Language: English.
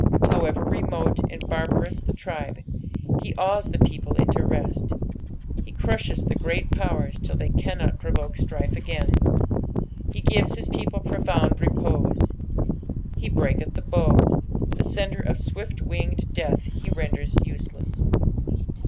However remote and barbarous the tribe, he awes the people into rest. He crushes the great powers till they cannot provoke stnfe again j he gives his people profound repose. " Ht breaheth the boa," the senderof swift winged death he renders useless.